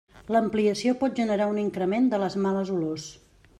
L'ampliació pot generar un increment de les males olors.